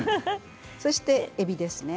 そしてえびですね。